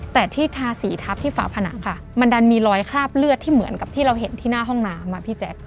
แต่ที่ทาสีทับที่ฝาผนังค่ะมันดันมีรอยคราบเลือดที่เหมือนกับที่เราเห็นที่หน้าห้องน้ำอ่ะพี่แจ๊ค